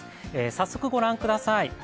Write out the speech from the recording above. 早速、ご覧ください。